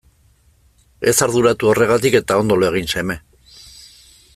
Ez arduratu horregatik eta ondo lo egin seme.